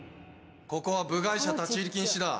ここは部外者立ち入り禁止だ。